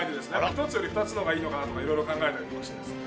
１つより２つの方がいいのかなとかいろいろ考えたりとかしてですね。